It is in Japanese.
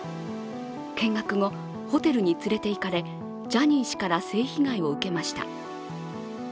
見学後、ホテルに連れて行かれジャニー氏から性被害を受けました。